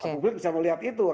publik bisa melihat itu